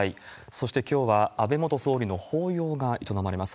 そしてきょうは、安倍元総理の法要が営まれます。